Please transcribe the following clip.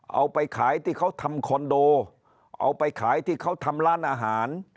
เอาไปขายที่เขาทำคอนโดเอาไปขายที่เขาทำร้านอาหาร